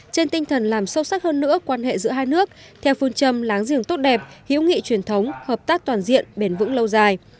trên tinh thần làm sâu sắc hơn nữa quan hệ giữa hai nước theo phương châm láng giềng tốt đẹp hữu nghị truyền thống hợp tác toàn diện bền vững lâu dài